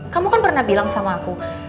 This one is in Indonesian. kamu kan pernah bilang sama aku